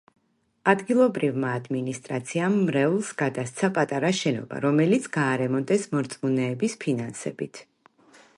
ადგილობრივმა ადმინისტრაციამ მრევლს გადასცა პატარა შენობა, რომელიც გაარემონტეს მორწმუნეების ფინანსებით.